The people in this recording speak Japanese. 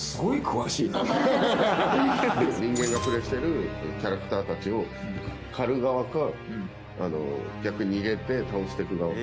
人間がプレイしてるキャラクターたちを狩る側か逆に逃げて倒していく側か。